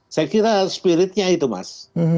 saya kira spiritnya itu mas